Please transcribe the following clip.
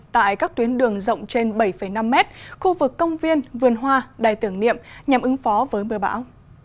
tại các tuyến đường rộng trên bảy năm mét khu vực công viên vườn hoa đài tưởng niệm nhằm ứng phó với mưa bão